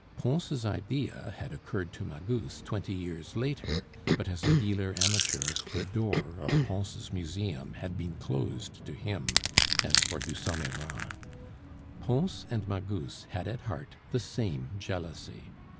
Pons' idea had occurred to Magus twenty years later; but as a dealer amateur the door of Pons' museum had been closed to him, as for Dusommerard. Pons and Magus had at heart the same jealousy.